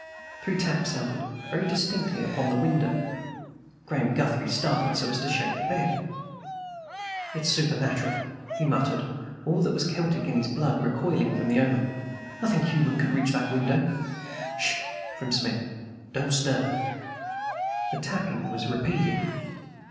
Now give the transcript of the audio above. Three taps sounded very distinctly upon the window. Graham Guthrie started so as to shake the bed. "It's supernatural!" he muttered all that was Celtic in his blood recoiling from the omen. "Nothing human can reach that window!" "S sh!" from Smith. "Don't stir." The tapping was repeated.